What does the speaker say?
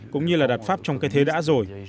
cũng như là đạt pháp trong cái thế đã rồi